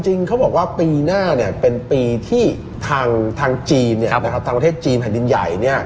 จริงเขาบอกว่าปีหน้าเป็นปีที่ทางจีนทางประเทศจีนแผ่นดินใหญ่